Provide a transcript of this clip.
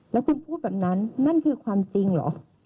แล้วคุณพูดแบบนั้นนั่นคือความจริงเหรอ